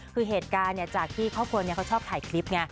คือเหตุการณ์จากที่ครอบครัวเขาชอบถ่ายคลิปไง